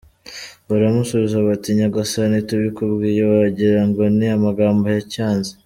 Baramusubiza bati “Nyagasani tubikubwiye wagira ngo ni amagambo ya cyanzi.